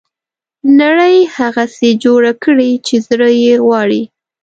نړۍ هغسې جوړه کړي چې زړه یې غواړي.